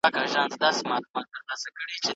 د بل چا حق خوړل تېروتنه ده.